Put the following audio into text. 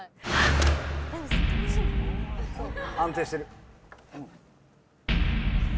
安定してる。